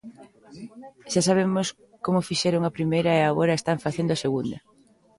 Xa sabemos como fixeron a primeira e agora están facendo a segunda.